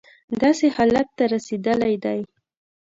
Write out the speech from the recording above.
داسې حالت ته رسېدلی دی.